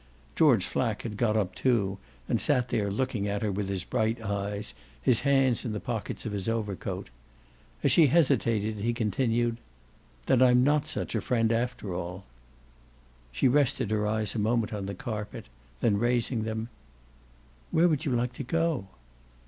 George Flack had got up too and stood there looking at her with his bright eyes, his hands in the pockets of his overcoat. As she hesitated he continued: "Then I'm not such a friend after all." She rested her eyes a moment on the carpet; then raising them: "Where would you like to go?"